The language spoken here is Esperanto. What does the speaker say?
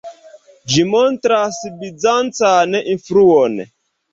Ĝi montras bizancan influon.